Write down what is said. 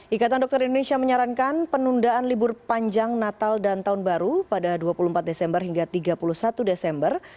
ikatan dokter indonesia menyarankan penundaan libur panjang natal dan tahun baru pada dua puluh empat desember hingga tiga puluh satu desember